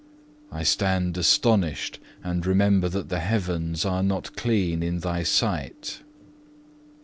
I stand astonished, and remember that the heavens are not clean in thy sight.